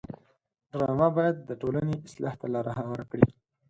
ډرامه باید د ټولنې اصلاح ته لاره هواره کړي